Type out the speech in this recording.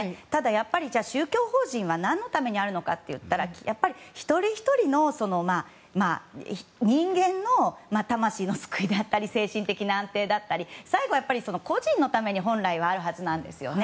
宗教法人は何のためにあるのかといったら一人ひとりの人間の魂の救いだったり精神的な安定だったり最後は個人のために本来はあるはずです。